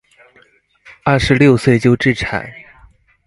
二十六歲就置產